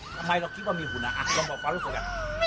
ทำไมเราคิดว่ามีหุ้นอะลองบอกฟ้ารู้สึกอะ